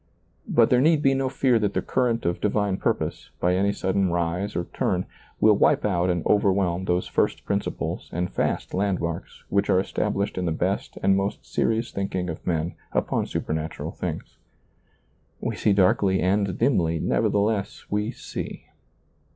But there need be no fear that the current of divine purpose, by any sudden rise or turn, will wipe out and over whelm those first principles and fast landmarks which are established in the best and most serious thinking of men upon supernatural things. We see darkly and dimly, nevertheless we see.